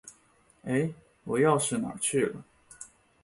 哎，我钥匙哪儿去了？